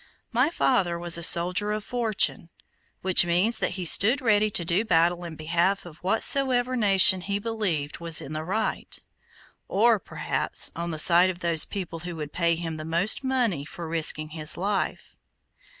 My father was a soldier of fortune, which means that he stood ready to do battle in behalf of whatsoever nation he believed was in the right, or, perhaps, on the side of those people who would pay him the most money for risking his life.